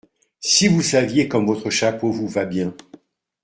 Si vous saviez comme votre chapeau vous va bien.